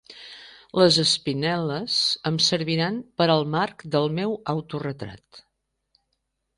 Les espinel·les em serviran per al marc del meu autoretrat.